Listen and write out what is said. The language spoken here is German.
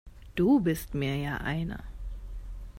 Du bist mir ja einer!